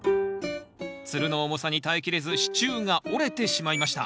つるの重さに耐えきれず支柱が折れてしまいました。